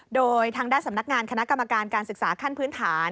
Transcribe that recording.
โดยทางด้านสำนักงานคณะกรรมการการศึกษาขั้นพื้นฐาน